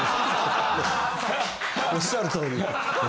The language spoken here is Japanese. おっしゃるとおり。